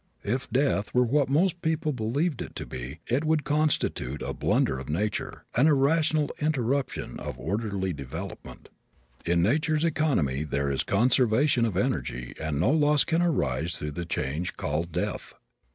If death were what most people believe it to be it would constitute a blunder of nature an irrational interruption of orderly development. In nature's economy there is conservation of energy and no loss can arise through the change called death.